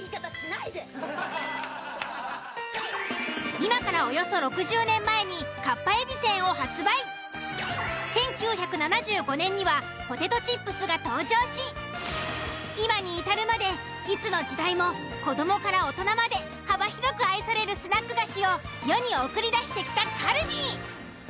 今からおよそ６０年前に１９７５年にはポテトチップスが登場し今に至るまでいつの時代も子どもから大人まで幅広く愛されるスナック菓子を世に送り出してきた「カルビー」。